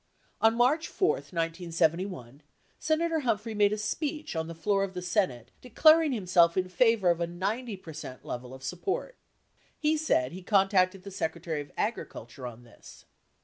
On March 4, 1971, Senator Humphrey made a speech on the floor of the Senate declaring himself in favor of a 90% level of support. Tie said he contacted the Secretary of Agriculture on this.